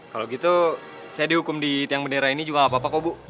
kalau gitu saya dihukum di tiang bendera ini juga gak apa apa kok bu